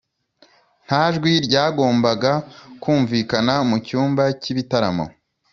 nta jwi ryagombaga kumvikana mu cyumba cy'ibitaramo.